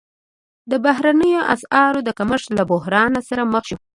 د بهرنیو اسعارو د کمښت له بحران سره مخ شو.